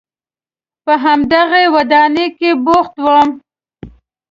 په همدغه ودانۍ کې بوخت وم.